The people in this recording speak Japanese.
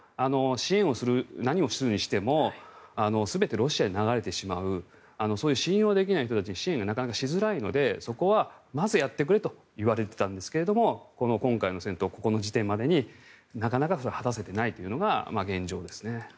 支援をする、何をするにしても全てロシアに流れてしまうそういう信用できない人たちに支援がなかなかしづらいのでそこはまずやってくれと言われていたんですがこの今回の戦闘ここの時点までになかなか果たせていないというのが現状ですね。